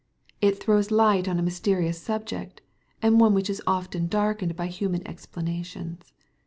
It throws light on a mysterious subject, and one which is often darkened by human explanations.